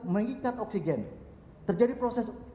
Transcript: mengikat oksigen terjadi proses